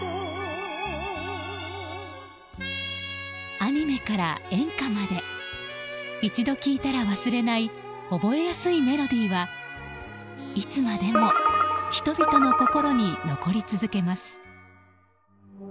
アニメから演歌まで一度聴いたら忘れない覚えやすいメロディーはいつまでも人々の心に残り続けます。